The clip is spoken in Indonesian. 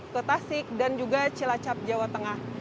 ke tasik dan juga cilacap jawa tengah